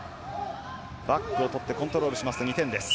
バックを取ってコントロールしますと２点です。